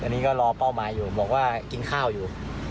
อันนี้ก็รอเป้าหมายอยู่บอกว่ากินข้าวอยู่